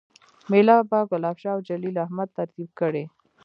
میله به ګلاب شاه اوجلیل احمد ترتیب کړي